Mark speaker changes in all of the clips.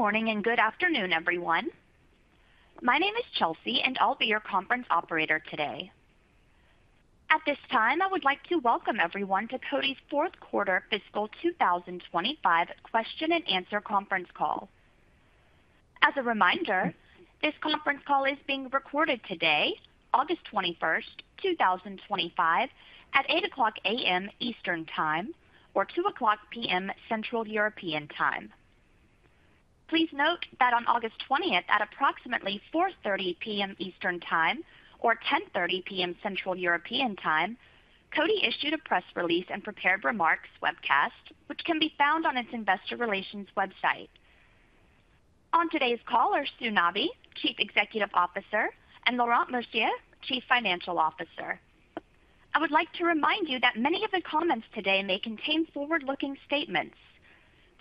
Speaker 1: Good morning and good afternoon everyone. My name is Chelsea and I'll be your conference operator. Today at this time I would like to welcome everyone to Coty's Fourth Quarter Fiscal 2025 Question-and-Answer Conference Call. As a reminder, this conference call is being recorded today, August 21, 2025 at 8:00 A.M. Eastern Time or 2:00 P.M. Central European Time. Please note that on August 20 at approximately 4:30 P.M. Eastern Time or 10:30 P.M. Central European Time, Coty Inc. issued a press release and prepared remarks webcast which can be found on its investor relations website. On today's call are Sue Nabi, Chief Executive Officer, and Laurent Mercier, Chief Financial Officer. I would like to remind you that many of the comments today may contain forward-looking statements.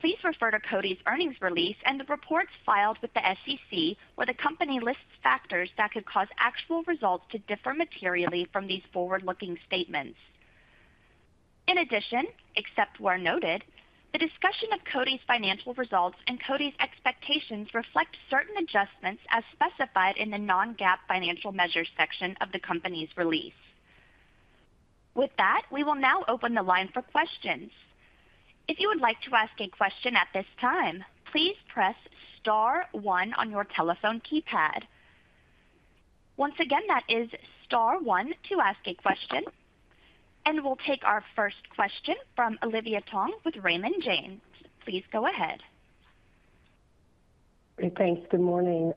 Speaker 1: Please refer to Coty's earnings release and the reports filed with the SEC where the company lists factors that could cause actual results to differ materially from these forward-looking statements. In addition, except where noted, the discussion of Coty's financial results and Coty's expectations reflect certain adjustments as specified in the non-GAAP financial measures section of the company's release. With that, we will now open the line for questions. If you would like to ask a question at this time, please press Star one on your telephone keypad. Once again, that is Star one to ask a question and we'll take our first question from Olivia Tong with Raymond James. Please go ahead.
Speaker 2: Great, thanks. Good morning.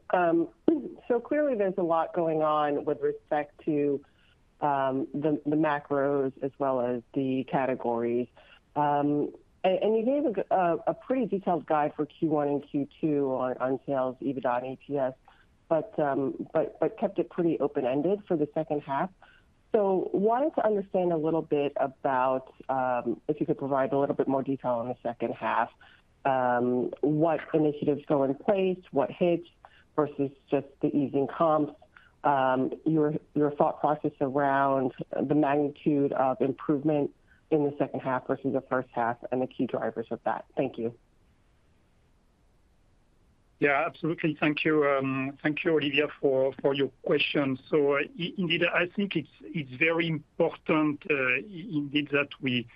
Speaker 2: Clearly there's a lot going on with respect to the macros as well as the category, and you gave a pretty detailed guide for Q1 and Q2 on sales, EBITDA, and ETFs, but kept it pretty open-ended for the second half. I wanted to understand a little bit about if you could provide a little bit more detail on the second half, what initiatives go in place, what hits versus just the easing comps, your thought process around the magnitude of improvement in the second half versus the first half, and the key drivers of that. Thank you.
Speaker 3: Yeah, absolutely. Thank you. Thank you Olivia for your question. Indeed, I think it's very important that we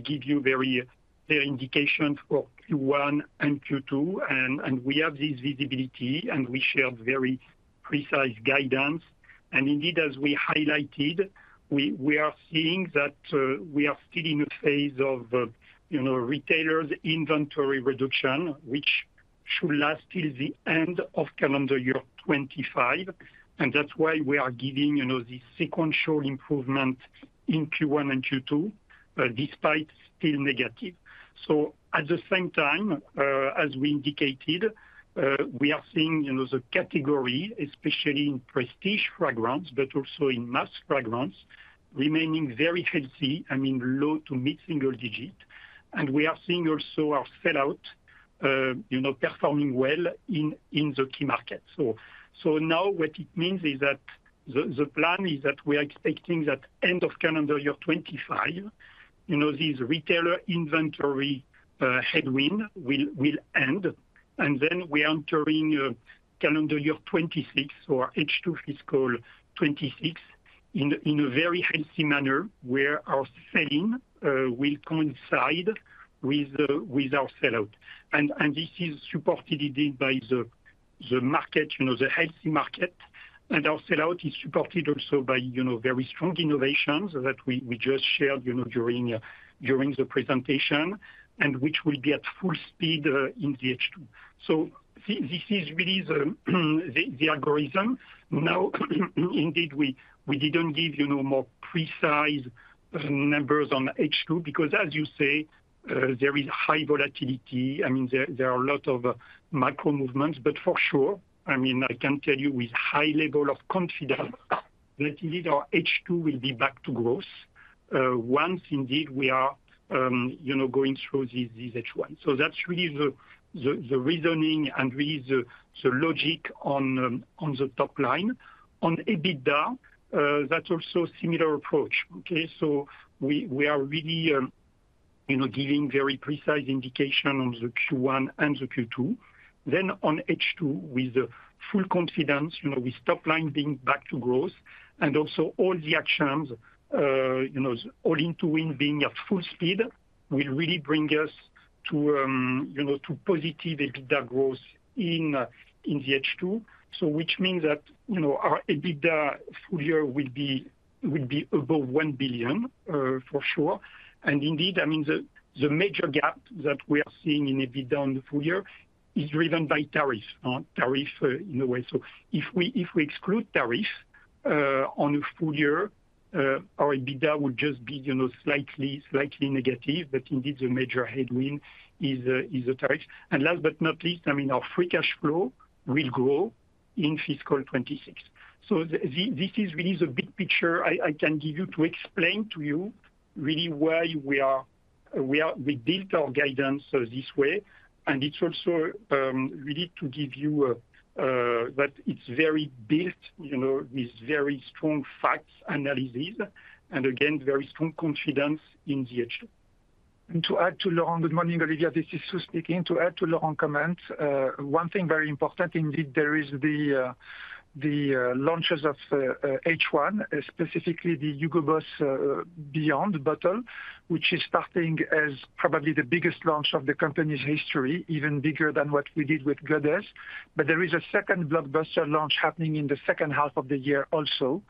Speaker 3: give you very clear indications for Q1 and Q2 and we have this visibility and we share very precise guidance. As we highlighted, we are seeing that we are still in the phase of retailers' inventory reduction, which should last till the end of calendar year 2025. That's why we are giving the sequential improvement in Q1 and Q2 despite still being negative. At the same time, as we indicated, we are seeing the category, especially in prestige fragrance but also in mass fragrance, remaining very healthy, I mean low to mid single digit. We are seeing also our sellout performing well in the key market. What it means is that the plan is that we are expecting that end of calendar year 2025, these retailer inventory headwinds will end and then we are entering calendar year 2026 or H2 fiscal 2026 in a very healthy manner where our selling will coincide with our sellout. This is supported by the market, the healthy market. Our sellout is supported also by very strong innovations that we just shared during the presentation and which will be at full speed in the H2. This is really the algorithm. Indeed, we didn't give more precise numbers on H2 because, as you say, there is high volatility. There are a lot of macro movements. For sure, I can tell you with high level of confidence that our H2 will be back to growth once we are going through these H1. That's really the reasoning and really the logic on the top line. On EBITDA, that's also a similar approach. We are really giving very precise indication on the Q1 and the Q2, then on H2 with full confidence with top line being back to growth and also all the actions, all in to win, being at full speed will really bring us to positive EBITDA growth in the HQ. Which means that our EBITDA full year would be above $1 billion for sure. Indeed, the major gap that we are seeing in EBITDA full year is driven by tariffs in a way. If we exclude tariffs on a full year, our EBITDA would just be slightly, slightly negative. The major headwind is the tariff. Last but not least, our free cash flow will grow in fiscal 2026. This is really the big picture I can give you to explain to you really why we built our guidance this way. It's also really to give you that it's very built, you know, with very strong facts, analysis, and again very strong confidence in the edge.
Speaker 4: To add to Laurent, good morning Olivia, this is Sue speaking. To add to Laurent's comment, one thing very important indeed is the launches of H1, specifically the Boss Bottled Beyond, which is probably the biggest launch of the company's history, even bigger than what we did with Goodness. There is a second blockbuster launch happening in the second half of the year also.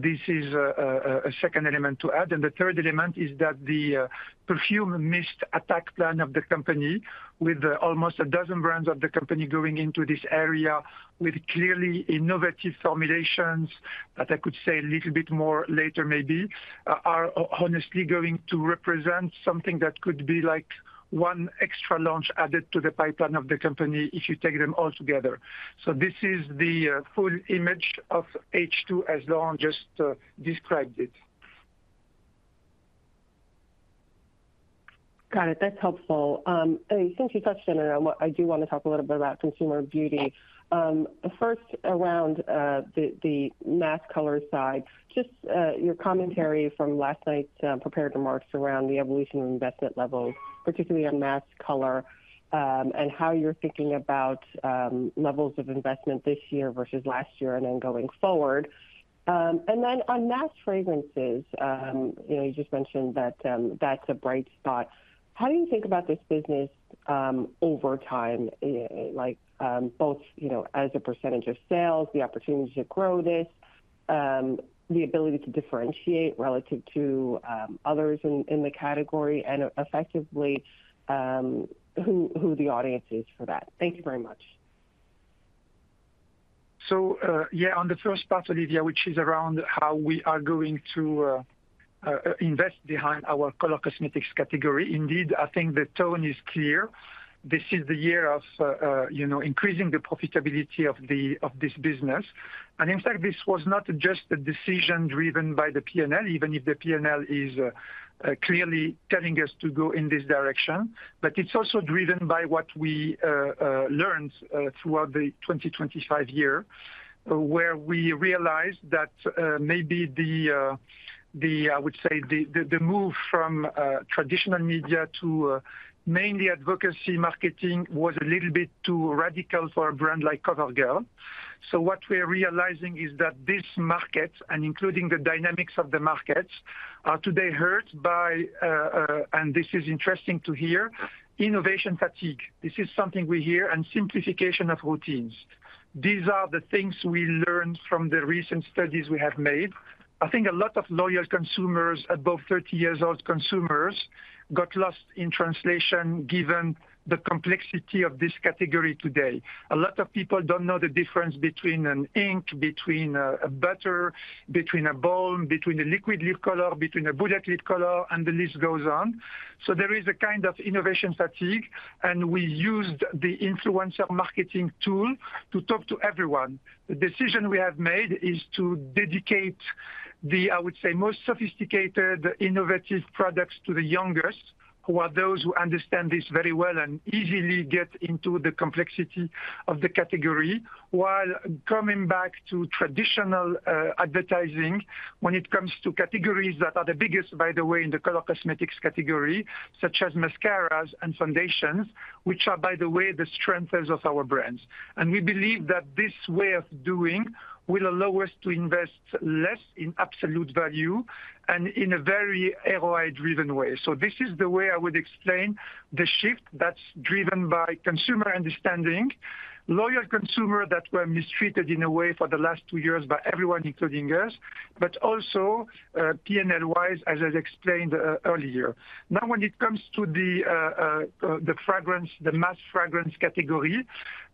Speaker 4: This is a second element to add. The third element is that the fragrance mist attack plan of the company, with almost a dozen brands of the company going into this area with clearly innovative formulations that I could say a little bit more about later maybe, are honestly going to represent something that could be like one extra launch added to the pipeline of the company if you take them all together. This is the full image of H2 as Laurent just described it.
Speaker 2: Got it. That's helpful since you touched on it. I do want to talk a little bit about consumer beauty. First, around the mass color side, just your commentary from last night, prepared remarks around the evolution of investment levels, particularly on mass color and how you're thinking about levels of investment this year versus last year and then going forward. Then on mass fragrances, you just mentioned that that's a bright spot. How do you think about this business over time, like both as a percentage of sales, the opportunity to grow this, the ability to differentiate relative to others in the category, and effectively who the audience is for that. Thank you very much.
Speaker 4: On the first part, Olivia, which is around how we are going to invest behind our color cosmetics category, indeed, I think the tone is clear. This is the year of increasing the profitability of this business. In fact, this was not just a decision driven by the P&L, even if the P&L is clearly telling us to go in this direction. It is also driven by what we learned throughout the 2025 year where we realized that maybe the move from traditional media to mainly advocacy marketing was a little bit too radical for a brand like CoverGirl. What we are realizing is that this market, including the dynamics of the markets, are today hurt by, and this is interesting to hear, innovation fatigue. This is something we hear, and simplified routines. These are the things we learned from the recent studies we have made. I think a lot of loyal consumers, above 30 years old consumers, got lost in translation given the complexity of this category today. A lot of people do not know the difference between an ink, between a butter, between a balm, between a liquid lip color, between a bullet lip color, and the list goes on. There is a kind of innovation fatigue, and we used the influencer marketing tool to talk to everyone. The decision we have made is to dedicate the most sophisticated, innovative products to the youngest, who are those who understand this very well and easily get into the complexity of the category, while coming back to traditional advertising when it comes to categories that are the biggest, by the way, in the color cosmetics category, such as mascaras and foundations, which are, by the way, the strength of our brands. We believe that this way of being will allow us to invest less in absolute value and in a very driven way. This is the way I would explain the shift that is driven by consumer understanding, loyal consumers that were mistreated in a way for the last two years by everyone, including us, but also P&L wise, as I explained earlier. Now, when it comes to the fragrance, the mass fragrance category,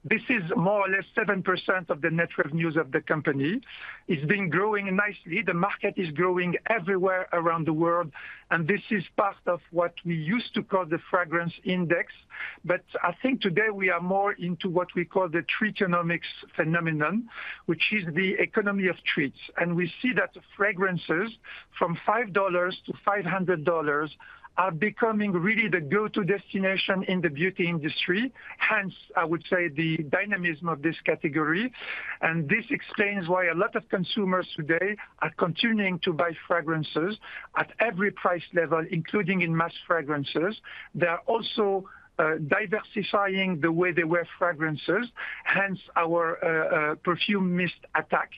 Speaker 4: this is more or less 7% of the net revenues of the company, is growing nicely. The market is growing everywhere around the world. This is part of what we used to call the fragrance index. I think today we are more into what we call the treat economics phenomenon, which is the economy of treats. We see that fragrances from $5 to $500 are becoming really the go-to destination in the beauty industry. Hence, I would say the dynamism of this category. This explains why a lot of consumers today are continuing fragrances at every price level, including in mass fragrances. They are also diversifying the way they wear fragrances, hence our fragrance mist attack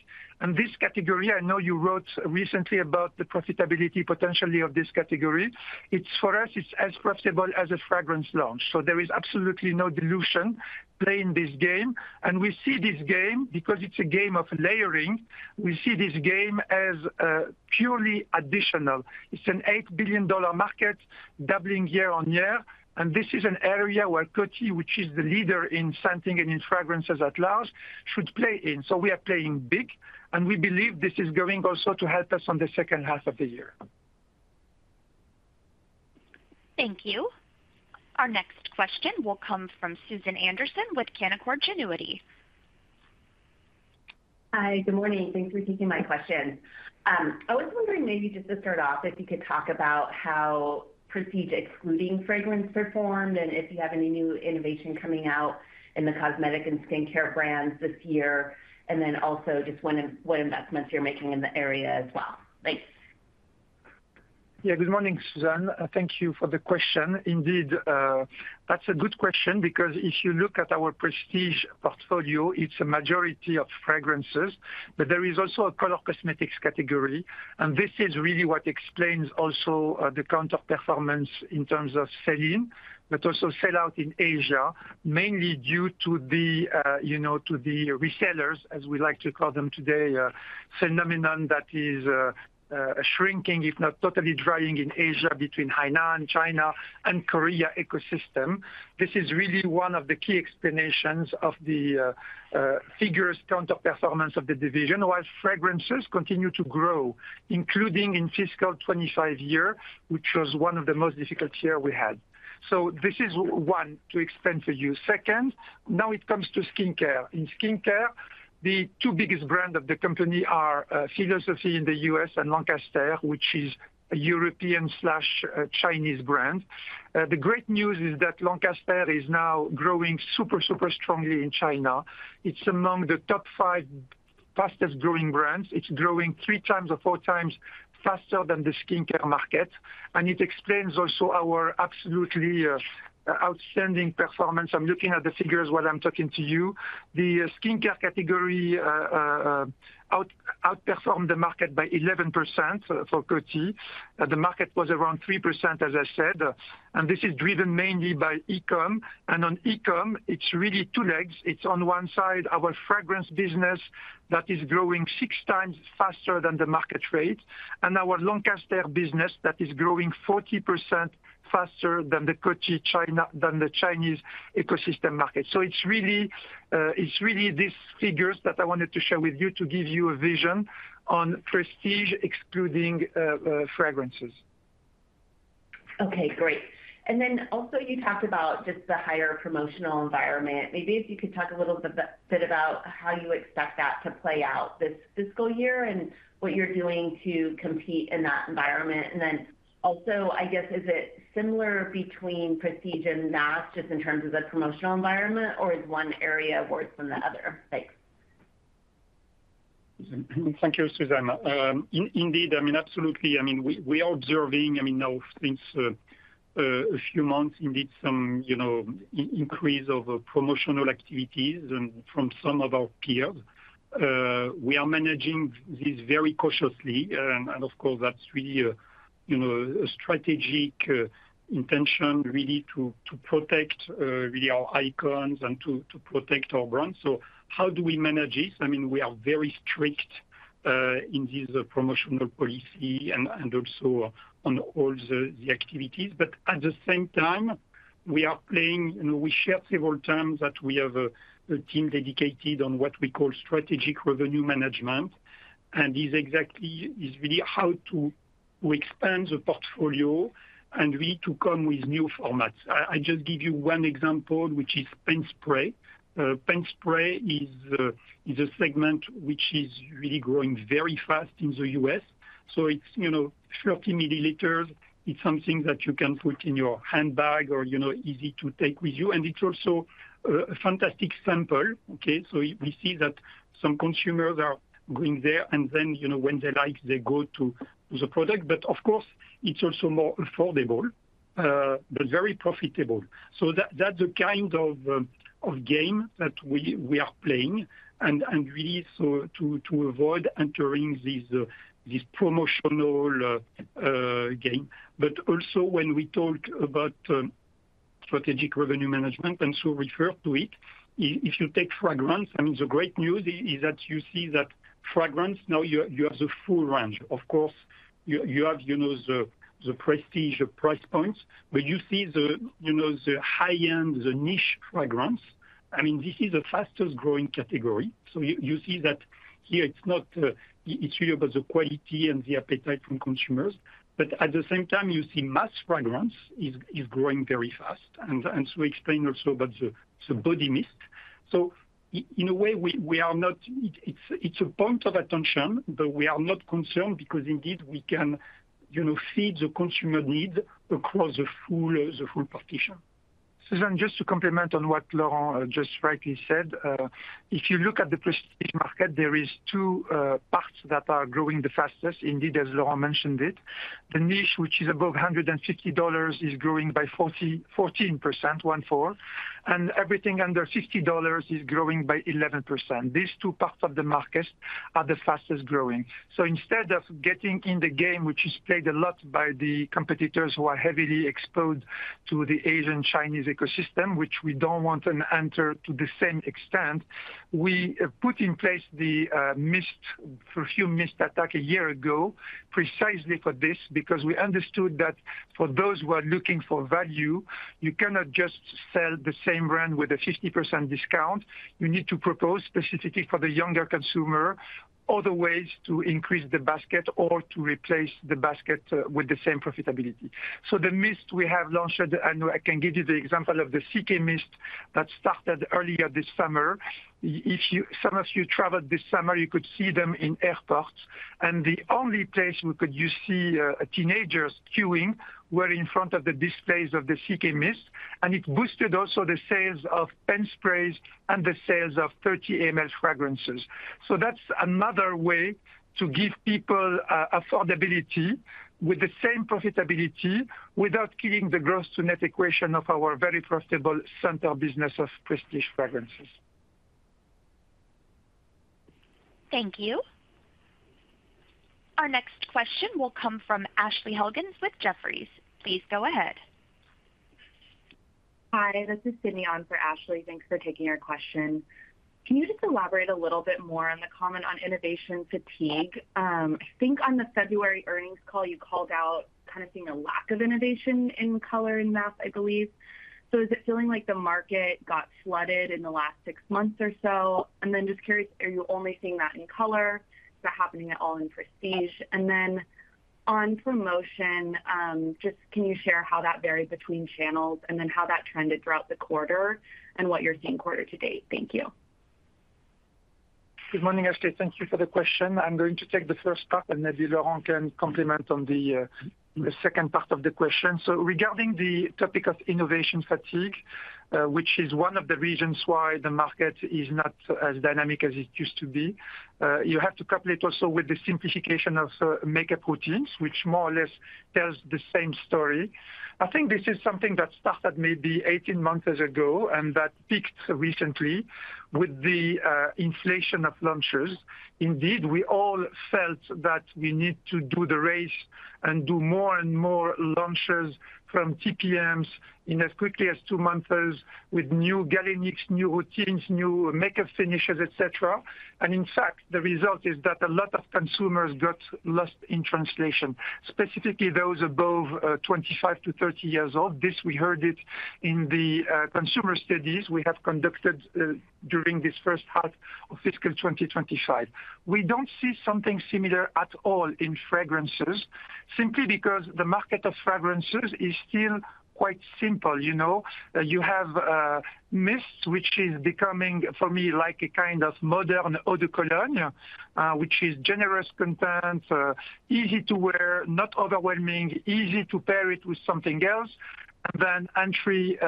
Speaker 4: in this category. I know you wrote recently about the profitability potentially of this category. For us, it's as profitable as a fragrance launch, so there is absolutely no dilution playing this game. We see this game because it's a game of layering. We see this game as purely additional. It's an $8 billion market doubling year on year, and this is an area where Coty Inc., which is the leader in scenting and in fragrances at large, should play in. We are playing big, and we believe this is going also to help us on the second half of the year.
Speaker 1: Thank you. Our next question will come from Susan Anderson with Canaccord Genuity. Hi, good morning.
Speaker 5: Thanks for taking my question. I was wondering maybe just to start off if you could talk about how prestige excluding fragrance performed, and if you have any new innovation coming out in the cosmetic and skin care brands this year, and then also just what investments you're making in the area as well. Thanks.
Speaker 4: Yeah. Good morning, Suzanne. Thank you for the question. Indeed, that's a good question because if you look at our prestige portfolio, it's a majority of fragrances, but there is also a color cosmetics category. This is really what explains also the counter performance in terms of sell-in, but also sell-out in Asia, mainly due to the, you know, to the resellers as we like to call them today, phenomenon that is shrinking if not totally drying in Asia between Hainan, China and Korea ecosystem. This is really one of the key explanations of the figures counter performances of the division. While fragrances continue to grow, including in fiscal 2025 year which was one of the most difficult years we had. This is one to expand for you. Now it comes to skin care. In skin care, the two biggest brands of the company are Philosophy in the U.S. and Lancaster, which is a European/Chinese brand. The great news is that Lancaster is now growing super, super strongly. It's among the top five fastest growing brands. It's growing three times or four times faster than the skin care market. It explains also our absolutely outstanding performance. I'm looking at the figures while I'm talking to you. The skin care category outperformed the market by 11%. For Coty, the market was around 3% as I said. This is driven mainly by e-commerce and on e-commerce it's really two legs. It's on one side, our fragrance business that is growing six times faster than the market rate and our Lancaster business that is growing 40% faster than the China, than the Chinese ecosystem market. It's really these figures that I wanted to share with you to give you a vision on prestige excluding fragrances.
Speaker 5: Okay, great. You talked about just the higher promotional environment. Maybe if you could talk a little bit about how you expect that to play out this fiscal year and what you're doing to compete in that environment. Also, I guess is it similar between prestige and mass just in terms of the promotional environment or is it different? One area worse than the other? Thanks.
Speaker 3: Thank you, Suzanne. Indeed. Absolutely. We are observing now since a few months, indeed, some increase of promotional activities from some of our peers. We are managing these very cautiously. Of course, that's really a strategic intention to protect our icons and to protect our brand. How do we manage this? We are very strict in these promotional policy and also on all the activities. At the same time, we are playing, we shared several times that we have a team dedicated on what we call strategic revenue management, and it is exactly how to expand the portfolio and we need to come with new formats. I just give you one example, which is paint spray. Paint spray is a segment which is really growing very fast in the U.S., so it's 30ml. It's something that you can put in your handbag or easy to take with you, and it's also a fantastic sample. We see that some consumers are going there and then when they like, they go to the product. Of course, it's also more affordable but very profitable. That's the kind of game that we are playing, really to avoid entering this promotional game. Also, when we talk about strategic revenue management, and so refer to it, if you take fragrance, the great news is that you see that fragrance now you have the full range. Of course, you have the prestige price points, but you see the high end, the niche fragrance. This is the fastest growing category. You see that here it's not, it's really about the quality and the appetite from consumers. At the same time, you see mass fragrance is growing very fast. We explain also about the body mist. In a way, we are not, it's a point of attention, but we are not concerned because indeed we can feed the consumer need across the full partition.
Speaker 4: Suzanne, just to complement on what Laurent just rightly said, if you look at the prestige market, there are two parts that are growing the fastest. Indeed, as Laurent mentioned it, the niche which is above $150 is growing by 14% and everything under $60 is growing by 11%. These two parts of the market are the fastest growing. Instead of getting in the game, which is played a lot by the competitors who are heavily exposed to the Asian Chinese ecosystem, which we don't want to enter to the same extent, we put in place the mist perfume mist attack a year ago, precisely for this, because we understood that for those who are looking for value, you cannot just sell the same brand with a 50% discount. You need to propose specifically for the younger consumer all the ways to increase the basket or to replace the basket with the same profitability. The mist we have launched, and I can give you the example of the CK mist that started earlier this summer. If some of you traveled this summer, you could see them in airports. The only place you could see a teenager queuing was in front of the displays of the CK mist. It boosted also the sales of pen sprays and the sales of 30ml fragrances. That is another way to give people affordability with the same profitability without killing the gross to net equation of our very profitable center business of prestige fragrances.
Speaker 1: Thank you. Our next question will come from Ashley Helgans with Jefferies. Please go ahead. Hi.
Speaker 5: This is Sydney on for Ashley, thanks for taking your question. Can you just elaborate a little bit more on the comment on innovation fatigue? I think on the February earnings call you called out kind of seeing a lack of innovation in color and mass? I believe so. Is it feeling like? The market got flooded in the last six months or so? Are you only seeing that in color happening at all in prestige? On promotion, can you share how that varied between channels and how that trended throughout the quarter and what you're seeing quarter to date? Thank you.
Speaker 4: Good morning. Ashley, thank you for the question. I'm going to take the first part and maybe Laurent can complement on the second part of the question. Regarding the topic of innovation fatigue, which is one of the reasons why the market is not as dynamic as it used to be, you have to couple it also with the simplification of maker routines, which more or less tells the same story. I think this is something that started maybe 18 months ago and that peaked recently with the inflation of launches. Indeed, we all felt that we need to do the race and do more and more launches from TPM in as quickly as two months with new galenics, new routines, new makeup finishes, etc. In fact, the result is that a lot of consumers got lost in translation, specifically those above 25 to 30 years old. This we heard in the consumer studies we have conducted during this first half of fiscal 2025. We don't see something similar at all in fragrances, simply because the market of fragrances is still quite simple. You know, you have mist, which is becoming for me like a kind of modern eau de cologne, which is generous content, easy to wear, not overwhelming, easy to pair it with something else. Then entry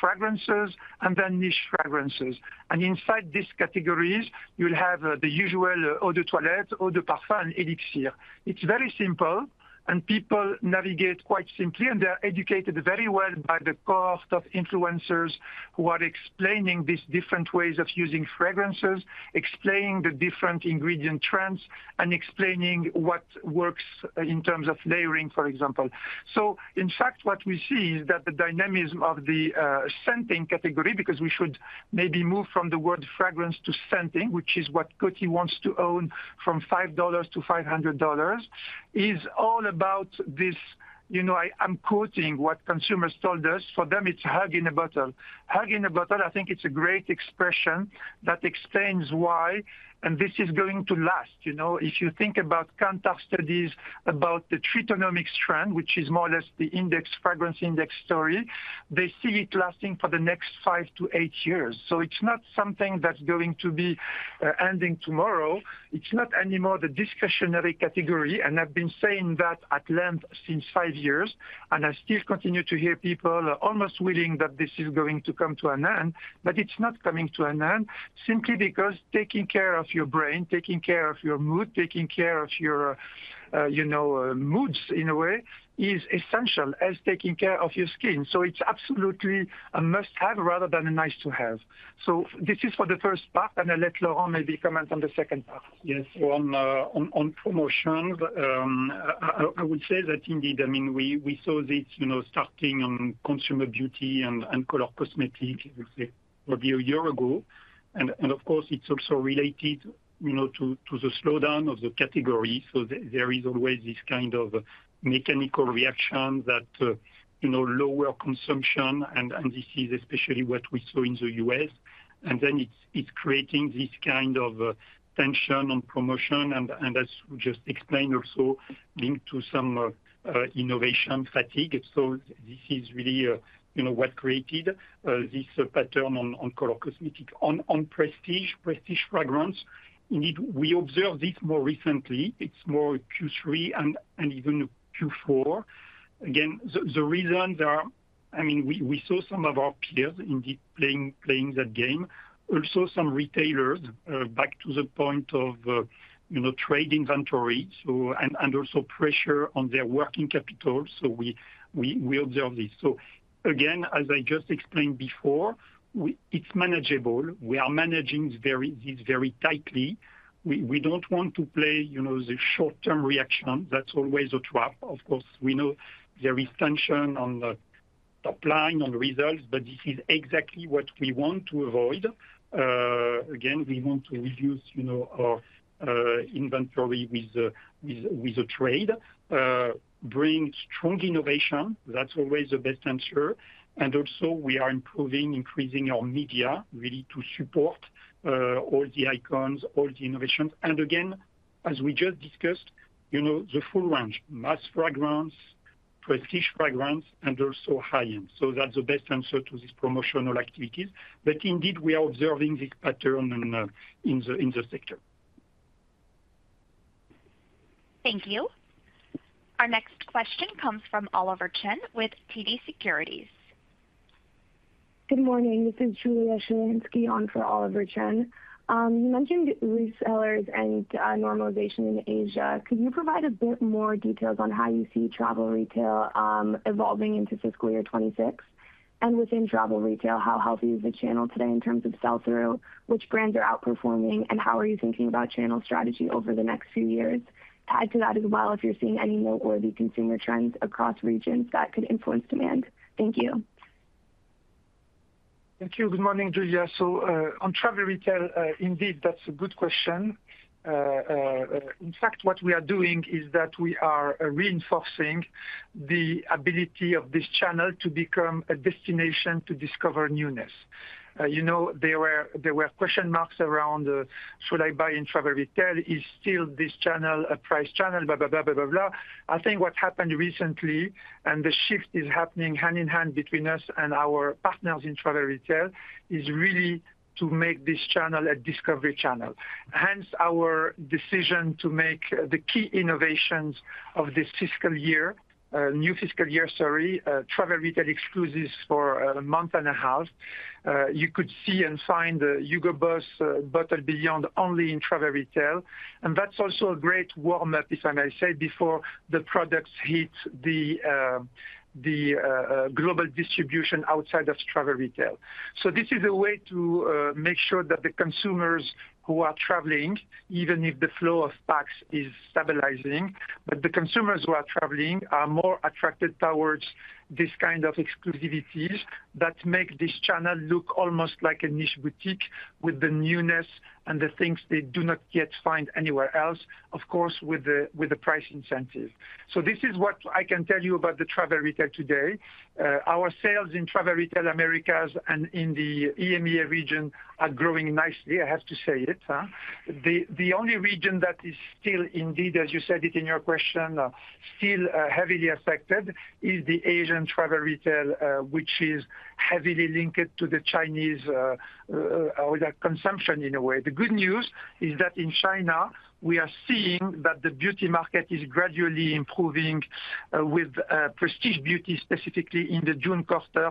Speaker 4: fragrances and then niche fragrances. Inside these categories you'll have the usual eau de toilette, eau de parfum, elixir. It's very simple and people navigate quite simply and they are educated very well by the cost of influencers who are explaining these different ways of using fragrances, explaining the different ingredient trends, and explaining what works in terms of layering, for example. In fact, what we see is that the dynamism of the scenting category, because we should maybe move from the word fragrance to scenting, which is what Coty wants to own from $5 to $500, is all about this. You know, I'm quoting what consumers told us. For them it's hug in a bottle. Hug in a bottle. I think it's a great expression that explains why. This is going to last. If you think about counter studies about the tritonomics trend, which is more or less the fragrance index story, they see it lasting for the next five to eight years. It's not something that's going to be ending tomorrow. It's not anymore the discretionary category. I've been saying that at length since five years. I still continue to hear people almost willing that this is going to come to an end. It is not coming to an end simply because taking care of your brain, taking care of your mood, taking care of your, you know, moods in a way is as essential as taking care of your skin. It is absolutely a must have rather than a nice to have. This is for the first part and I'll let Laurent maybe comment on the second part.
Speaker 3: Yes. One on promotions, I would say that indeed, we saw this starting on consumer beauty and color cosmetics a year ago and of course it's also related to the slowdown of the category. There is always this kind of mechanical reaction that lower consumption, and this is especially what we saw in the U.S. Then it's creating this kind of tension on promotion and as just explained, also linked to some innovation fatigue. This is really what created this pattern on color cosmetics. On prestige, prestige fragrance, indeed, we observed it more recently. It's more Q3 and even Q4. The reason there, we saw some of our players indeed playing that game. Also, some retailers back to the point of trade inventory and also pressure on their working capital. We observe this. As I just explained before, it's manageable. We are managing this very tightly. We don't want to play the short-term reaction. That's always a trap. Of course, we know there is tension on the top line on results. This is exactly what we want to avoid. We want to reduce our inventory with the trade, bring strong innovation. That's always the best answer. Also, we are improving, increasing our media really to support all the icons, all the innovations. As we just discussed, the full range, mass fragrance, prestige fragrance and also high end. That's the best answer to this promotional activities. Indeed, we are observing this pattern in the sector.
Speaker 1: Thank you. Our next question comes from Oliver Chen with TD Cowen.
Speaker 6: Good morning, this is Julia Shalinsky. I'm for Oliver Chen. You mentioned resellers and normalization in Asia. Could you provide a bit more details on how you see travel retail evolving into fiscal year 2026, and within travel retail, how healthy is the channel today in terms of sell through, which brands are outperforming, and how are you thinking about channel strategy over the next few years? Add to that as well if you're seeing any noteworthy consumer trends across regions that could influence demand. Thank you.
Speaker 4: Thank you. Good morning, Julia. On travel retail indeed, that's a good question. In fact, what we are doing is that we are reinforcing the ability of this channel to become a destination to discover newness. You know, there were question marks around should I buy in travel retail, is still this channel a price channel, blah, blah, blah, blah, blah. I think what happened recently and the shift is happening hand in hand between us and our partners in travel retail is really to make this channel a discovery channel. Hence our decision to make the key innovations of this fiscal year, new fiscal year, travel retail exclusives. For a month and a half you could see and find Boss Bottled Beyond only in travel retail. That's also a great warm up, if I may say, before the products hit the global distribution outside of travel retail. This is a way to make sure that the consumers who are traveling, even if the flow of tax is stabilizing, but the consumers who are traveling are more attracted towards this kind of exclusivity that make this channel look almost like a niche boutique with the newness and the things they do not yet find anywhere else, of course with the price incentive. This is what I can tell you about the travel retail today. Our sales in travel retail Americas and in the EMEA region are growing nicely. I have to say it, the only region that is still indeed as you said it in your question, still heavily affected is the Asian travel retail which is heavily linked to the Chinese consumption in a way. The good news is that in China we are seeing that the beauty market is gradually improving with prestige beauty specifically in the June quarter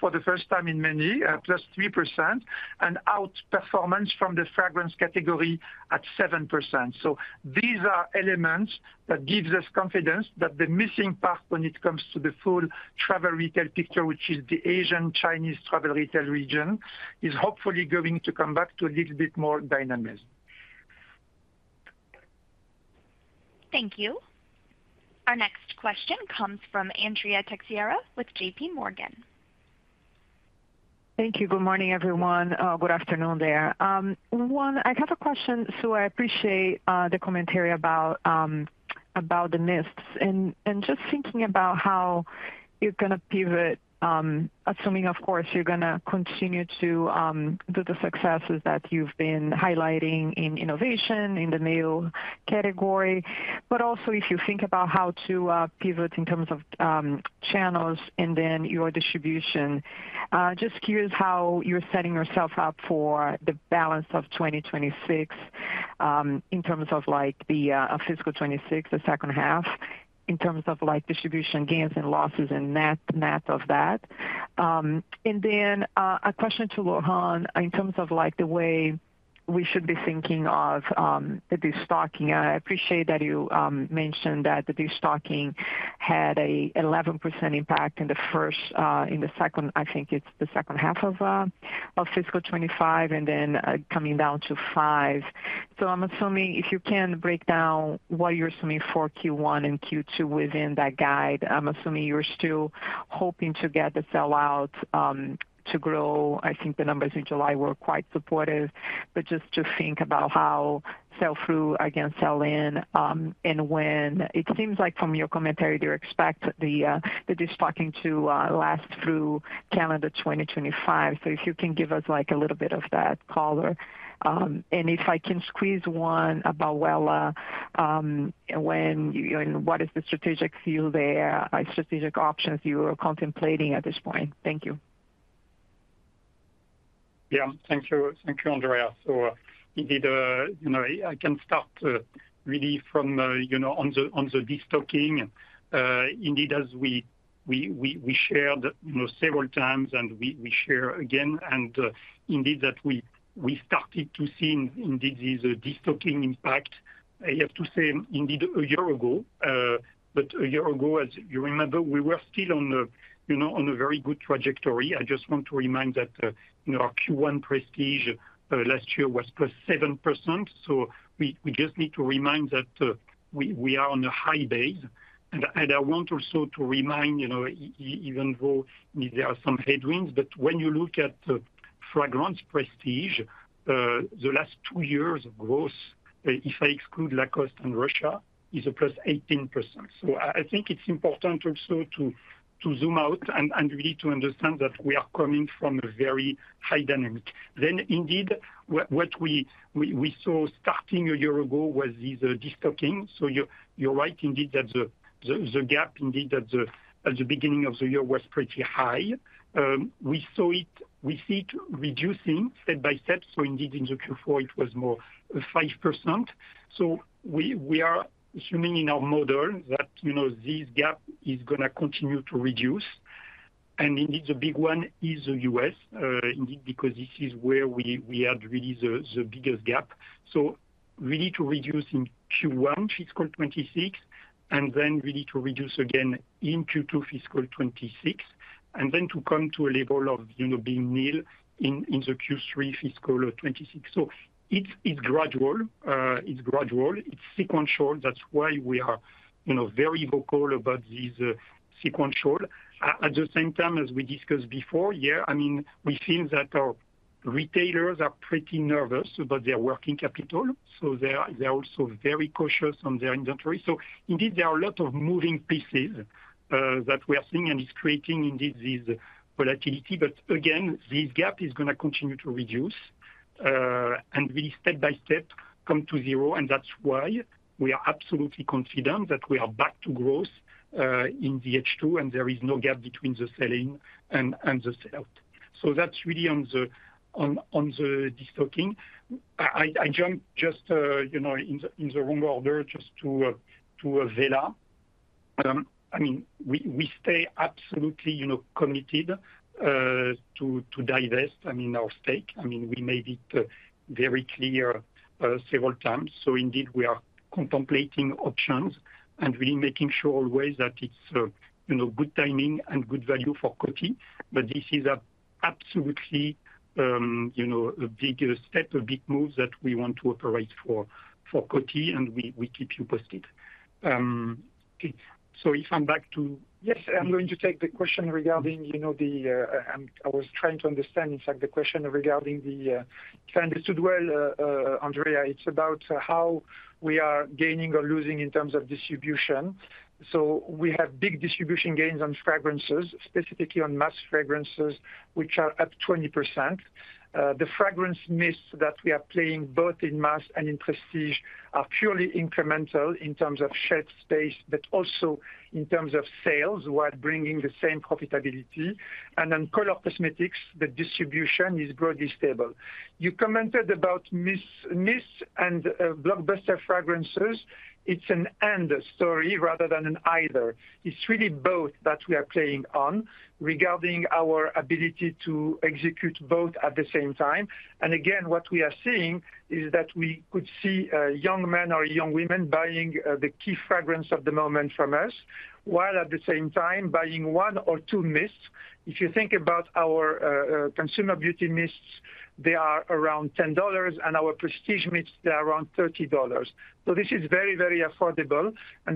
Speaker 4: for the first time in many, plus 3% and outperformance from the fragrance category at 7%. These are elements that gives us confidence that the missing part when it comes to the full travel retail picture, which is the Asian Chinese travel retail region, is hopefully going to come back to a little bit more dynamics.
Speaker 1: Thank you. Our next question comes from Andrea Teixeira with JPMorgan.
Speaker 7: Thank you. Good morning everyone. Good afternoon. I have a question. Sue, I appreciate the commentary about the NISP and just thinking about how you're going to pivot, assuming of course you're going to continue to do the successes that you've been highlighting in innovation in the male category. If you think about how to pivot in terms of channels and then your distribution, just curious how you're setting yourself up for the balance of 2026 in terms of fiscal 2026, the second half in terms of distribution gains and losses and net net of that. A question to Laurent in terms of the way we should be thinking of destocking, I appreciate that you mentioned that the destocking had an 11% impact in the first, in the second, I think it's the second half of fiscal and then coming down to 5%. I'm assuming if you can break down what you're assuming for Q1 and Q2 within that guide, I'm assuming you're still hoping to get the sell out to grow. I think the numbers in July were quite supportive. Just to think about how sell through, again sell in, and when it seems like from your commentary they expect the destocking to last through calendar 2025. If you can give us a little bit of that color and if I can squeeze one about Wella. What. Is the strategic, are there strategic options you are contemplating at this point? Thank you.
Speaker 3: Yeah, thank you. Thank you, Andrea. Indeed, I can start really on the destocking. As we shared several times and we share again, we started to see these destocking impacts. I have to say a year ago. A year ago, as you remember, we were still on a very good trajectory. I just want to remind that our Q1 prestige last year was plus 7%. We just need to remind that we are on a high base. I want also to remind even though there are some headwinds, when you look at fragrance prestige, the last two years of growth, if I exclude Lacoste and Russia, is a plus 18%. I think it's important also to zoom out and really to understand that we are coming from a very high dynamic. What we saw starting a year ago was this destocking. You're right that the gap at the beginning of the year was pretty high. We see it reducing step by step. In Q4 it was more 5%. We are assuming in our model that this gap is going to continue to reduce and the big one is the U.S. because this is where we had really the biggest gap. To reduce in Q1 fiscal 2026 and then to reduce again in Q2 fiscal 2026 and then to come to a level of, you know, being nil in Q3 fiscal 2026. It's gradual. It's gradual, it's sequential. That's why we are, you know, very vocal about this. Sequential at the same time, as we discussed before. Yeah. I mean, we feel that our retailers are pretty nervous about their working capital, so they are also very cautious on their inventory. There are a lot of moving pieces that we are seeing and it is creating this volatility. Again, this gap is going to continue to reduce and really step by step come to zero. That's why we are absolutely confident that we are back to growth in the H2. There is no gap between the selling and the sellout. That's really on the destocking. I jump just in the wrong order just to Wella. We stay absolutely committed to divest our stake. We made it very clear several times. We are contemplating options and really making sure always that it's, you know, good timing and good value for Coty. This is absolutely a big step, a big move that we want to operate for Coty and we keep you posted. If I'm back to.
Speaker 4: Yes, I'm going to take the question regarding the, you know, the. I was trying to understand, in fact, the question regarding Andrea, it's about how we are gaining or losing in terms of distribution. We have big distribution gains on fragrances, specifically on mass fragrances, which are up 20%. The fragrance mists that we are playing both in mass and in prestige are purely incremental in terms of shelf space, but also in terms of sales while bringing the same profitability. On color cosmetics, the distribution is broadly stable. You commented about mists and blockbuster fragrances. It's an and story rather than an either. It's really both that we are playing on regarding our ability to execute both at the same time. What we are seeing is that we could see young men or young women buying the key fragrance of the moment from us, while at the same time buying one or two mists. If you think about our consumer beauty mists, they are around $10 and our prestige mists, they are around $30. This is very, very affordable.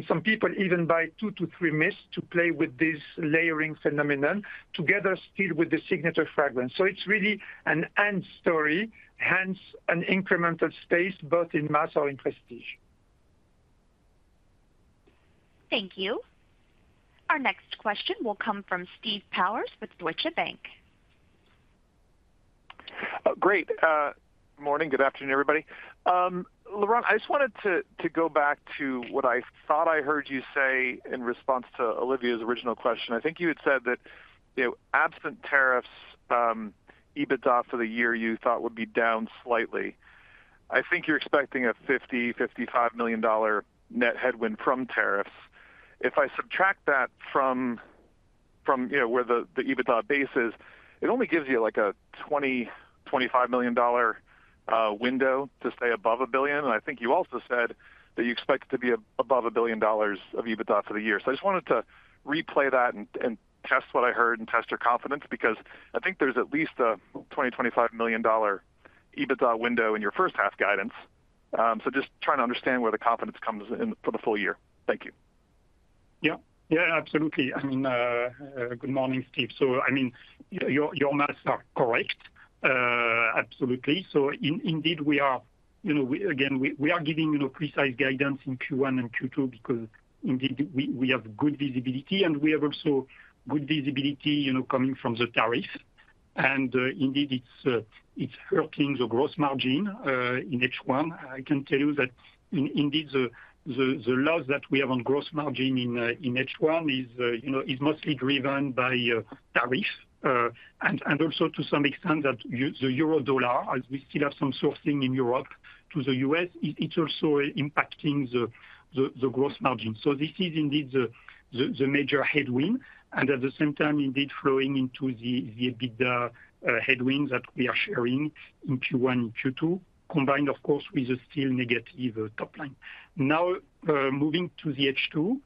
Speaker 4: Some people even buy two to three mists to play with this layering phenomenon together still with the signature fragrances. It's really an and story, hence an incremental space both in mass or in prestige.
Speaker 1: Thank you. Our next question will come from Steve Powers with Deutsche Bank.
Speaker 8: Great morning. Good afternoon, everybody. Laurent, I just wanted to go back to what I thought I heard you say in response to Olivia's original question. I think you had said that absent tariffs, EBITDA for the year you thought would be down slightly. I think you're expecting a $50 million, $55 million net headwind from tariffs. If I subtract that from where the EBITDA base is, it only gives you like a $20 million, $25 million window to stay above a billion. I think you also said that you expect it to be above a billion dollars of EBITDA for the year. I just wanted to replay that and test what I heard and test your confidence, because I think there's at least a $20 million, $25 million EBITDA window in your first half guidance. Just trying to understand where the confidence comes for the full year. Thank you.
Speaker 3: Yeah, absolutely. Good morning, Steve. Your maths are correct, absolutely. Indeed, we are giving precise guidance in Q1 and Q2 because we have good visibility, and we have also good visibility coming from the tariff. It is hurting the gross margin in H1. I can tell you that the loss that we have on gross margin in H1 is mostly driven by tariffs and also to some extent the euro dollar, as we still have some sourcing in Europe to the U.S., it's also impacting the gross margin. This is the major headwind and at the same time, it is flowing into the EBITDA headwinds that we are sharing in Q1 and Q2 combined, of course, with a still negative top line. Now, moving to H2,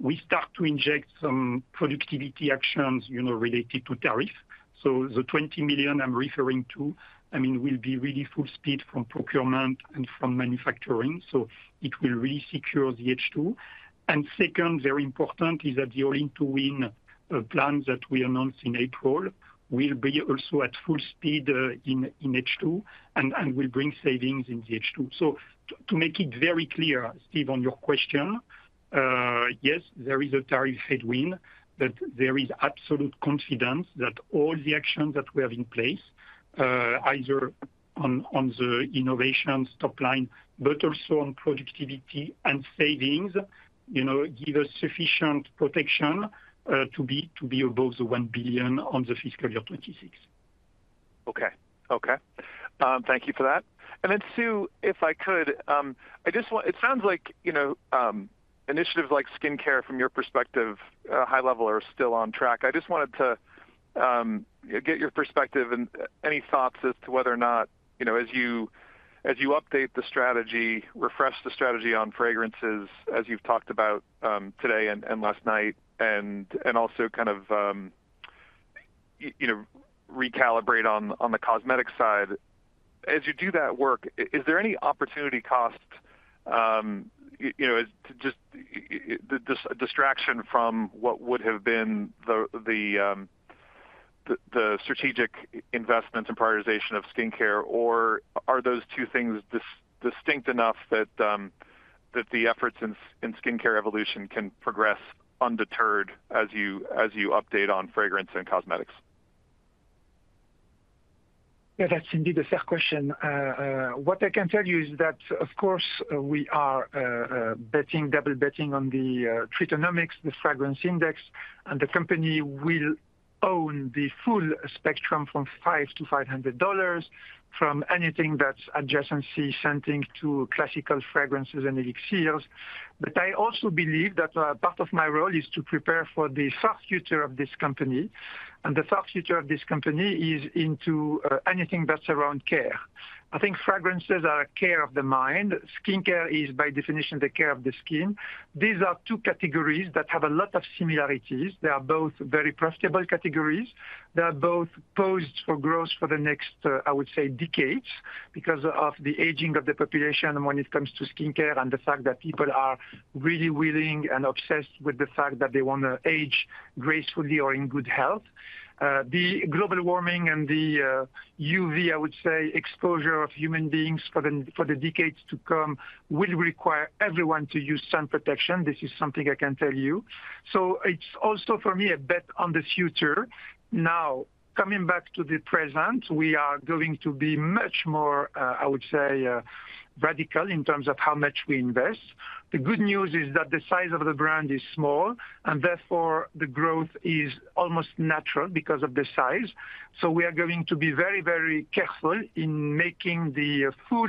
Speaker 3: we start to inject some productivity actions related to tariff. The $20 million I'm referring to will be really full speed from procurement and from manufacturing, so it will re-secure the H2. Second, very important is that your In To Win A plan that we announced in April will be also at full speed in H2 and will bring savings in the H2. To make it very clear, Steve, on your question, yes, there is a tariff headwind, but there is absolute confidence that all the actions that we have in place either on the innovations top line, but also on productivity and savings, give us sufficient protection to be above the $1 billion on the fiscal year 2026.
Speaker 8: Okay, thank you for that. Sue, if I could, I just want—it sounds like, you know, initiatives like skincare from your perspective, high level, are still on track. I just wanted to get your perspective and any thoughts as to whether or not, you know, as you update the strategy, refresh the strategy on fragrances, as you've talked about today and last night, and also kind of, you know, recalibrate on the cosmetic side as you do that work. Is there any opportunity cost, just the distraction from what would have been the strategic investments and prioritization of skincare? Or are those two things distributed distinct enough that the efforts in skincare evolution can progress undeterred as you update on fragrance and cosmetics?
Speaker 4: Yeah, that's indeed the fair question. What I can tell you is that of course we are double betting on the Tritonomics, the fragrance index, and the company will own the full spectrum from $5 to $500, from anything that's adjacency scenting to classical fragrances and elixirs. I also believe that part of my role is to prepare for the soft future of this company. The soft future of this company is into anything that's around care. I think fragrances are care of the mind. Skincare is by definition the care of the skin. These are two categories that have a lot of similarities. They are both very profitable categories that both posed for growth for the next, I would say, decades because of the aging of the population when it comes to skincare and the fact that people are really willing and obsessed with the fact that they want to age. Gracefully or in good health. The global warming and the UV, I would say, exposure of human beings for the decades to come will require everyone to use sun protection. This is something I can tell you. It's also, for me, a bet on the future. Now, coming back to the present, we are going to be much more, I would say, radical in terms of how much we invest. The good news is that the size of the brand is small, and therefore the growth is almost natural because of the size. We are going to be very, very careful in making the full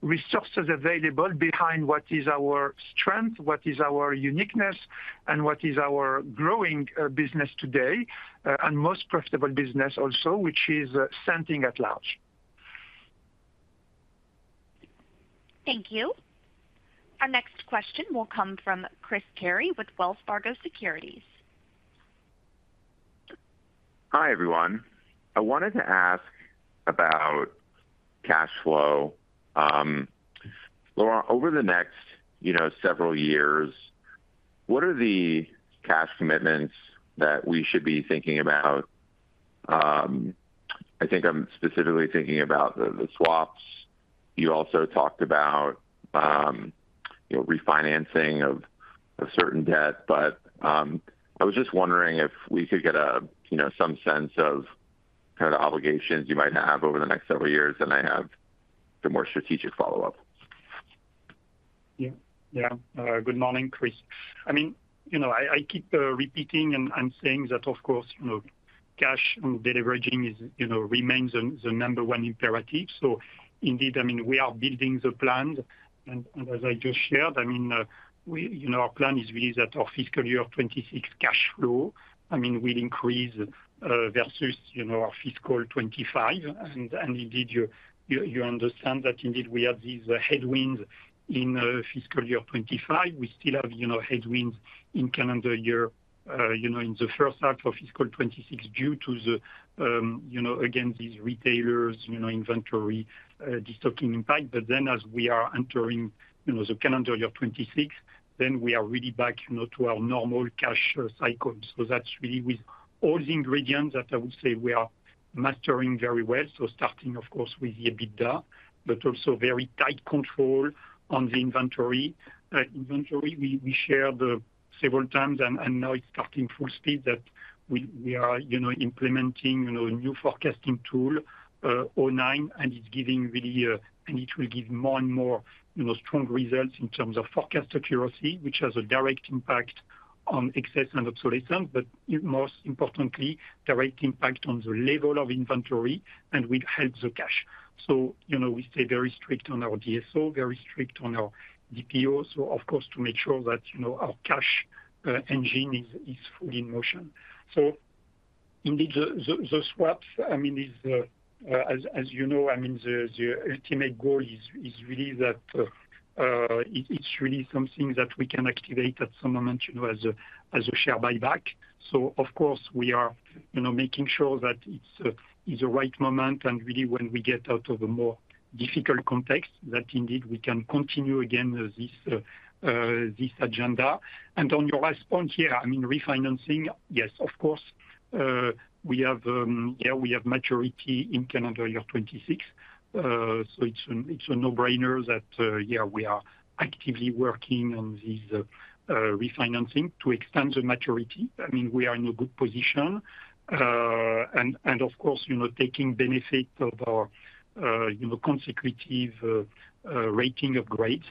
Speaker 4: resources available behind what is our strength, what is our uniqueness, and what is our growing business today and most profitable business also, which is something at large.
Speaker 1: Thank you. Our next question will come from Chris Carey with Wells Fargo Securities.
Speaker 9: Hi, everyone. I wanted to ask about cash flow. Laurent, over the next several years, what are the cash commitments that we should be thinking about? I think I'm specifically thinking about the swaps. You also talked about refinancing of certain debt. I was just wondering if we could get some sense of the obligations you might have over the next several years. Then I have the more strategic follow up.
Speaker 3: Yeah, yeah. Good morning, Chris. I mean, you know, I keep repeating and saying that, of course, cash on deleveraging remains the number one imperative. Indeed, we are building the plan, and as I just shared, our plan is really that our fiscal year 2026 cash flow will increase versus our fiscal 2025. You understand that we had these headwinds in fiscal year 2025. We still have headwinds in the first half of fiscal 2026 due to, again, these retailers' inventory destocking impact. As we are entering calendar year 2026, we are really back to our normal cash cycle. That's really with all the ingredients that I would say we are mastering very well, starting, of course, with the EBITDA but also very tight control on the inventory. Inventory, we shared several times, and now it's starting full speed that we are implementing a new forecasting tool, O9, and it's giving really, and it will give more and more, strong results in terms of forecast accuracy, which has a direct impact on excess and obsolete, but most importantly, direct impact on the level of inventory and will help the cash. We stay very strict on our DSO, very strict on our DPO, to make sure that our cash engine is fully in motion. The swaps, as you know, the ultimate goal is really that it's really something that we can activate at some moment as a share buyback. We are making sure that it's the right moment and really when we get out of a more difficult context that we can continue again this agenda. On your last point here, refinancing, yes, of course, we have maturity in calendar year 2026. It's a no brainer that we are actively working on these refinancing to extend the maturity. We are in a good position and, of course, taking benefit of our consecutive rating upgrade.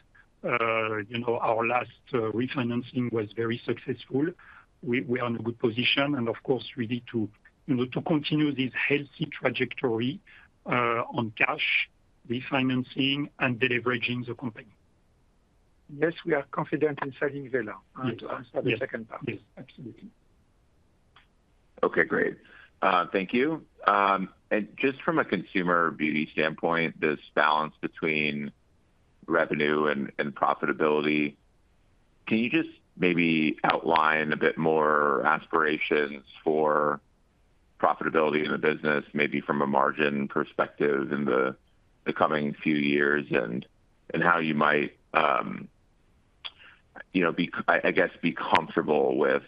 Speaker 3: Our last refinancing was very successful. We are in a good position to continue this healthy trajectory on cash refinancing and deleveraging the company.
Speaker 4: Unless we are confident in selling Wella.
Speaker 3: To answer the second part, absolutely.
Speaker 9: Okay, great, thank you. Just from a consumer beauty standpoint, this balance between revenue and profitability, can you maybe outline a bit more aspirations for profitability in the business, maybe from a margin perspective in the coming few years and how you might, I guess, be comfortable with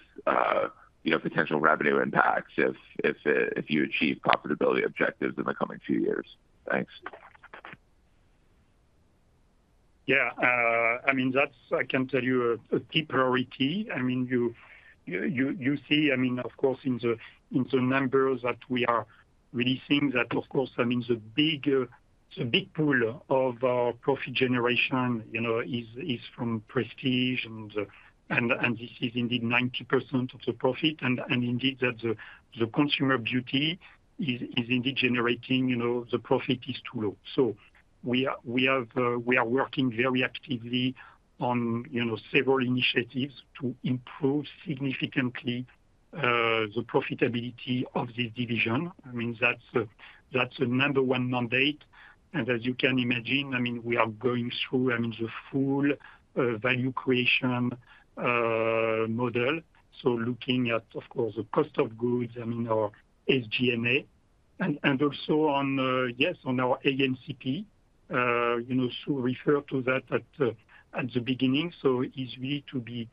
Speaker 9: potential revenue impacts if you achieve profitability objectives in the coming few years. Thanks.
Speaker 3: Yeah, that's a key priority. You see, of course, in the numbers that we really think that the big pool of our profit generation is from prestige, and this is indeed 90% of the profit. Indeed, the consumer duty is generating profit that is too low. We are working very actively on several initiatives to improve significantly the profitability of this division. That's the number one mandate. As you can imagine, we are going through the full value creation model, looking at the cost of goods, our SGMA, and also on our AMCP, as I referred to at the beginning. It's really to be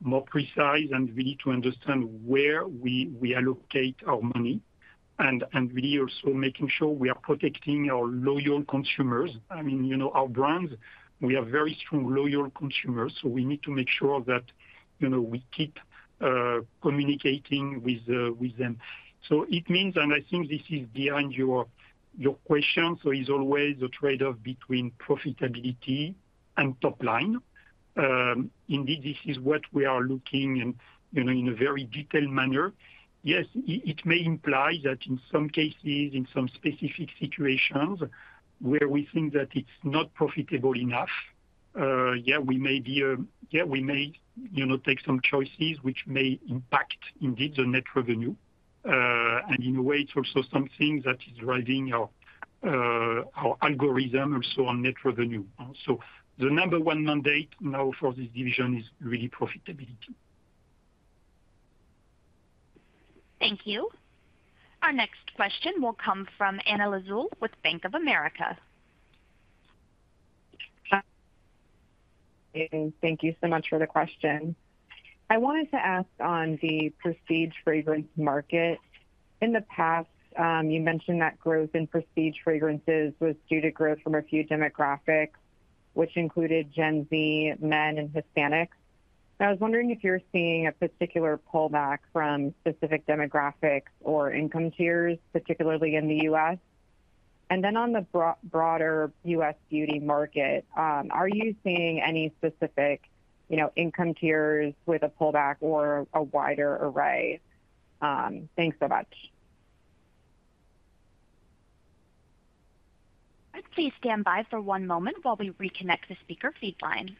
Speaker 3: more precise and to understand where we allocate our money and also making sure we are protecting our loyal consumers. Our brands have very strong loyal consumers, so we need to make sure that we keep communicating with them. I think this is behind your question. It's always a trade-off between profitability and top line. Indeed, this is what we are looking at in a very detailed manner. Yes, it may imply that in some cases, in some specific situations where we think that it's not profitable enough, we may take some choices which may impact the net revenue. In a way, it's also something that is driving our algorithm on net revenue. The number one mandate now for this division is really profitability.
Speaker 1: Thank you. Our next question will come from Anna Lizzul with Bank of America.
Speaker 10: Thank you so much for the question. I wanted to ask on the prestige fragrance market. In the past, you mentioned that growth in prestige fragrances was due to growth from a few demographics, which included Gen Z men and Hispanics. I was wondering if you're seeing a particular pullback from specific demographics or income tiers, particularly in the U.S., and then on the broader U.S. beauty market. Are you seeing any specific income tiers with a pullback or a wider array? Thanks so much.
Speaker 1: Please stand by for one moment while we reconnect the speaker feed line.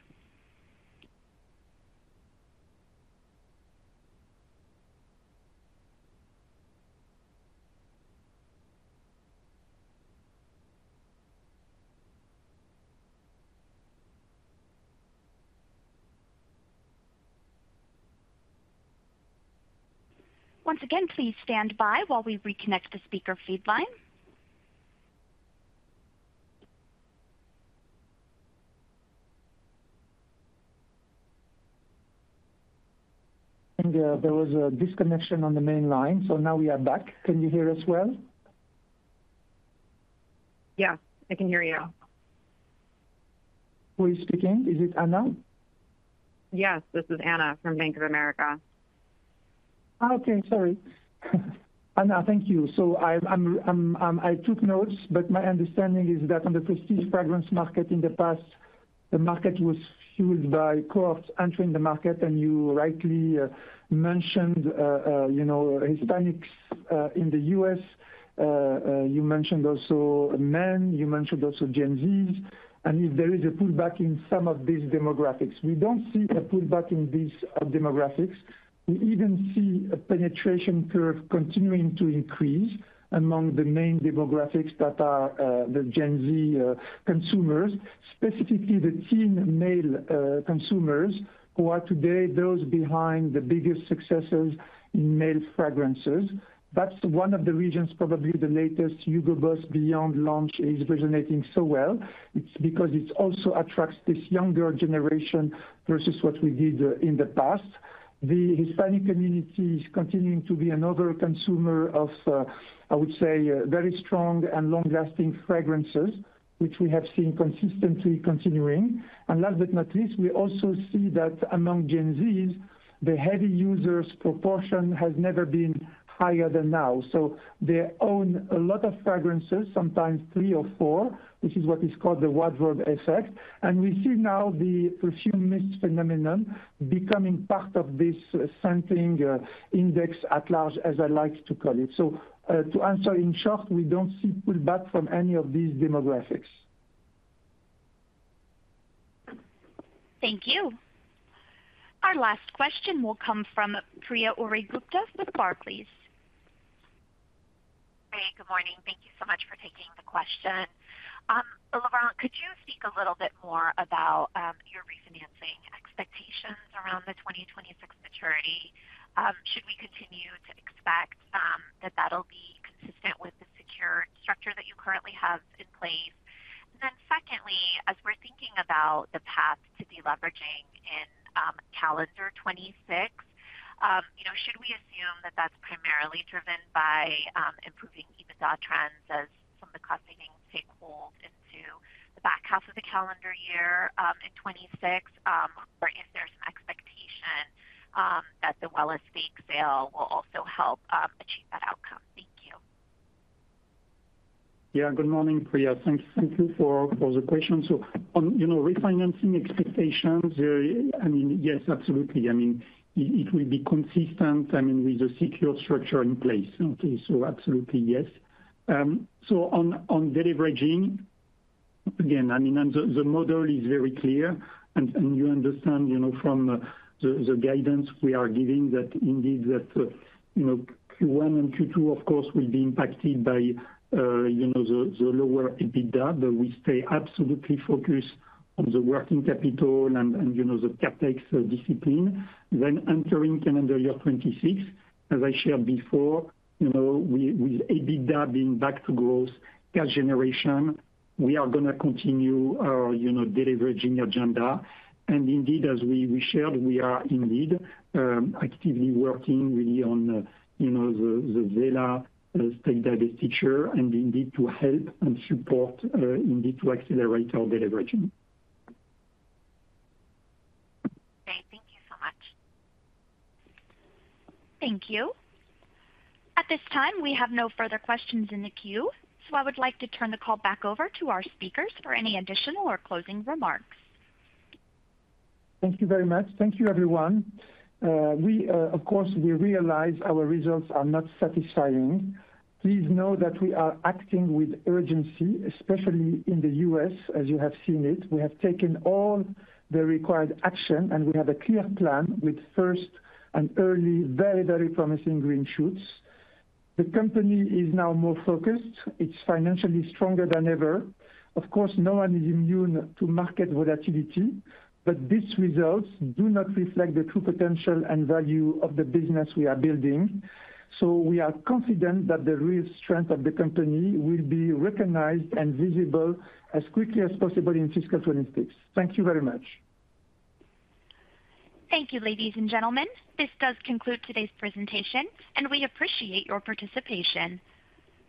Speaker 1: Once again, please stand by while we reconnect the speaker feed line.
Speaker 4: There was a disconnection on the main line. We are back. Can you hear us?
Speaker 10: Yes, I can hear you.
Speaker 4: Who is speaking? Is it Anna?
Speaker 10: Yes, this is Anna Lizzul from Bank of America. Okay, sorry Anna.
Speaker 4: Thank you. I took notes. My understanding is that on the prestige fragrance market in the past, the market was fueled by co-ops entering the market. You rightly mentioned, you know, Hispanics in the U.S., you mentioned also men, you mentioned also Gen Z. If there is a pullback in some of these demographics, we don't see a pullback in these demographics. We even see a penetration curve continuing to increase among the main demographics that are the Gen Z consumers, specifically the teen male consumers who are today those behind the biggest successes in male fragrances. That's one of the reasons probably the latest Boss Bottled Beyond launch is resonating so well. It's because it also attracts this younger generation versus what we did in the past. The Hispanic community continuing to be another consumer of, I would say, very strong and long-lasting fragrances, which we have seen consistently continuing. Last but not least, we also see that among Gen Z, the heavy users proportion has never been higher than now. They own a lot of fragrances, sometimes three or four. This is what is called the wardrobe effect. We see now the fragrance mist phenomenon becoming part of this scenting index at large, as I like to call it. To answer, in short, we don't see pullback from any of these demographics.
Speaker 1: Thank you. Our last question will come from Priya Ohri Gupta. Please.
Speaker 11: Great. Good morning. Thank you so much for taking the question. Laurent, could you speak a little bit more about your refinancing expectations around the 2026 maturity? Should we continue to expect that that'll be consistent with the secure structure that you currently have in place? Then, as we're thinking about the path to deleveraging in calendar 2026, should we assume that that's primarily driven by improving EBITDA trends as some of the cost savings take hold into the back half of the calendar year 2026, or if there's an expectation that the Wella stake sale will also help achieve that outcome? Thank you.
Speaker 3: Yeah. Good morning Priya. Thank you for the question. Refinancing expectations, yes, absolutely. It will be consistent with a secure structure in place. Absolutely, yes. On deleveraging again, the model is very clear and you understand from the guidance we are giving that indeed Q1 and Q2 of fiscal 2026 will be impacted by the lower EBITDA. We stay absolutely focused on the working capital and the CapEx discipline entering calendar year 2026. As I shared before, with EBITDA being back to growth, cash generation, we are going to continue the deleveraging agenda and indeed, as we shared, we are actively working on the Wella stake to help and support, indeed to accelerate our deleveraging.
Speaker 1: Okay, thank you so much. Thank you. At this time, we have no further questions in the queue. I would like to turn the call back over to our speakers for any additional or closing remarks.
Speaker 4: Thank you very much. Thank you everyone. Of course we realize our results are not satisfying. Please know that we are acting with urgency, especially in the U.S. as you have seen it. We have taken all the required action, and we have a clear plan with first and early, very, very promising green shoots. The company is now more focused. It's financially stronger than ever. Of course, no one is immune to market volatility, but these results do not reflect the true potential and value of the business we are building. We are confident that the real strength of the company will be recognized and visible as quickly as possible in fiscal 2026. Thank you very much.
Speaker 1: Thank you. Ladies and gentlemen, this does conclude today's presentation, and we appreciate your participation.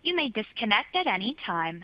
Speaker 1: You may disconnect at any time.